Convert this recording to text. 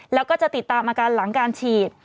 แล้วก็จะติดตามอาการหลังการฉีด